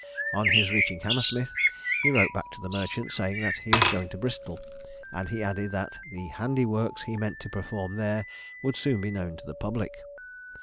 On his reaching Hammersmith he wrote back to the merchant, saying that he was going to Bristol; and he added, that "the handy works he meant to perform there would soon be known to the public."